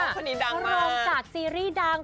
คนนี้ดังมากน่ะเธอรองกัดซีรีย์ดัง